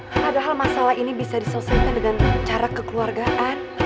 padahal masalah ini bisa diselesaikan dengan cara kekeluargaan